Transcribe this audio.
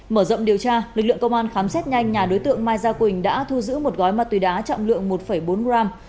mở rộng điều tra lực lượng công an khám xét nhanh nhà đối tượng mai gia quỳnh đã thu giữ một gói ma túy đá trọng lượng một bốn gram